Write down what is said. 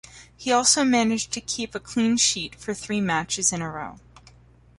He also managed to keep a clean sheet for three matches in a row.